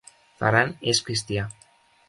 Ferran és cristià.